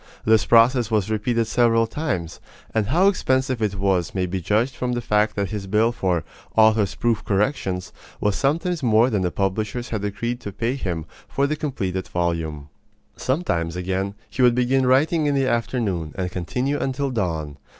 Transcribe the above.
This process was repeated several times; and how expensive it was may be judged from the fact that his bill for "author's proof corrections" was sometimes more than the publishers had agreed to pay him for the completed volume. Sometimes, again, he would begin writing in the afternoon, and continue until dawn.